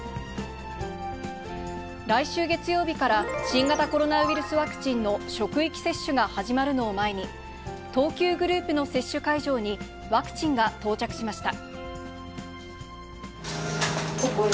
来週月曜日から、新型コロナウイルスワクチンの職域接種が始まるのを前に、東急グループの接種会場にワクチンが到着しました。